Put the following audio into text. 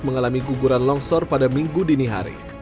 mengalami guguran longsor pada minggu dini hari